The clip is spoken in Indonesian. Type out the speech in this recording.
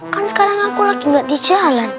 kan sekarang aku lagi gak di jalan